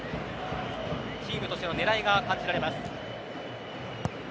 チームとしての狙いが感じられます。